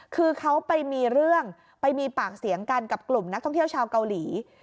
คือเขาไปมีเรื่องไปมีปากเสียงกันกับกลุ่มนักท่องเที่ยวชาวเกาหลี